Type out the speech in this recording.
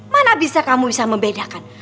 mana bisa kamu bisa membedakan